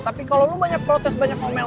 tapi kalau lu banyak protes maka kita bisa jalan